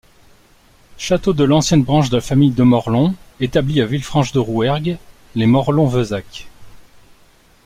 Château de l'ancienne branche de la famille de Morlhon établie à Villefranche-de-Rouergue, les Morlhon-Veuzac.